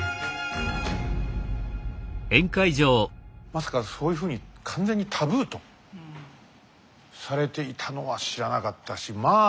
まさかそういうふうに完全にタブーとされていたのは知らなかったしまあ